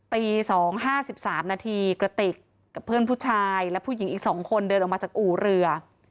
ตี๒๕๓นาทีกระติกกับเพื่อนผู้ชายและผู้หญิงอีก๒คนเดินออกมาจากอู่เรือ